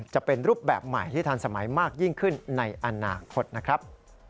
จะเป็นรูปแบบใหม่ที่ทันสมัยมากยิ่งขึ้นในอนาคตนะครับ